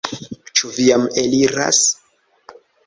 Ĉu vi jam eliras?